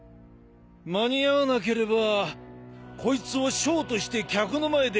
間に合わなければこいつをショーとして客の前で公開処刑する。